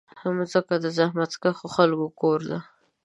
مځکه د زحمتکښو خلکو کور ده.